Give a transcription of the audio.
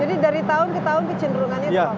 jadi dari tahun ke tahun kecenderungannya profit